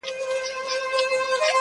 سم داسي ښكاري راته.